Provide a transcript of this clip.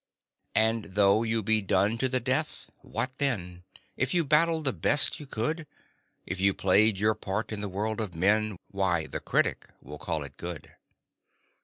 And though you be done to the death, what then? If you battled the best you could, If you played your part in the world of men, Why, the Critic will call it good.